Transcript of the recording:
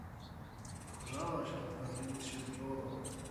"Chorzałaś, ale Pan Jezus się zmiłował!"